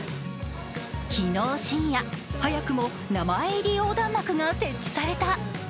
昨日深夜、早くも名前入り横断幕が設置された。